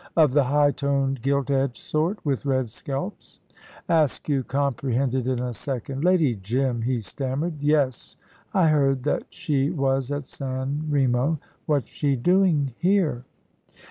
"Of the high toned gilt edged sort, with red scalps?" Askew comprehended in a second. "Lady Jim," he stammered; "yes, I heard that she was at San Remo. What's she doing here?"